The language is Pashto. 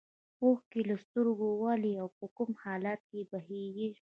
اوښکې له سترګو ولې او په کوم حالت کې بهیږي.